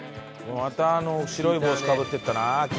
またあの白い帽子かぶっていったなあきら。